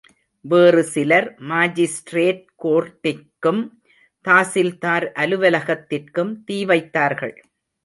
வேறு சிலர் மாஜிஸ்ரேட் கோர்ட்டிற்கும், தாசில்தார் அலுவலகத்திற்கும் தீ வைத்தார்கள்.